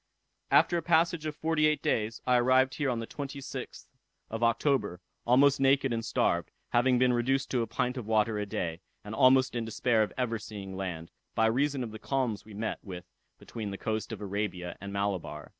After a passage of forty eight days, I arrived here on the 26th of October, almost naked and starved, having been reduced to a pint of water a day, and almost in despair of ever seeing land, by reason of the calms we met with between the coast of Arabia and Malabar.